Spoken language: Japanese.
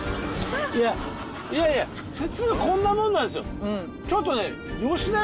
いやいやいや普通こんなもんなんですよちょっとね